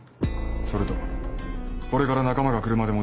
それとこれから仲間が車で戻る。